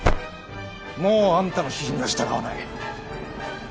もうあんたの指示には従わない。